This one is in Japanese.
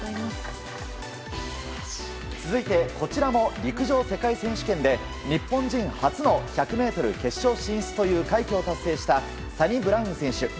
続いて、こちらも陸上世界選手権で日本人初の１００ｍ決勝進出という快挙を達成したサニブラウン選手。